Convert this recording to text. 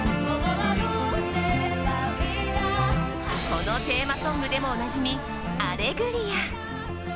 このテーマソングでもおなじみ「アレグリア」。